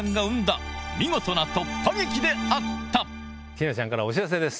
ティナちゃんからお知らせです。